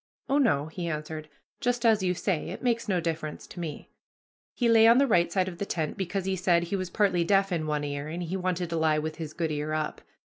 "Oh, no," he answered, "just as you say; it makes no difference to me." He lay on the right side of the tent, because, as he said, he was partly deaf in one ear, and he wanted to lie with his good ear up.